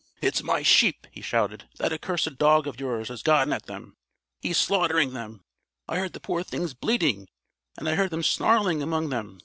"It's my sheep!" he shouted. "That accursed dog of yours has gotten at them. He's slaughtering them. I heard the poor things bleating and I heard him snarling among them.